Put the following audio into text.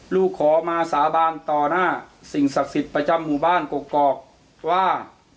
ลูกขอมาสาบานต่อหน้าสิ่งศักดิ์สิทธิ์ประจำหมู่บ้านกกอกว่า